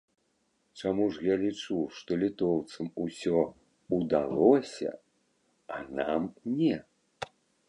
Чаму ж я лічу, што літоўцам усё удалося, а нам не?